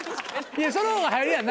そのほうが入るやんな。